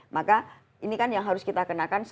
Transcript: maka ini kan yang harus kita kenakan